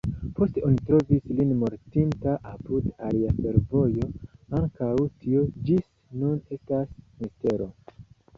Poste oni trovis lin mortinta apud alia fervojo; ankaŭ tio ĝis nun estas mistero.